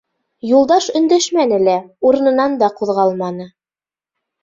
Юлдаш өндәшмәне лә, урынынан да ҡуҙғалманы.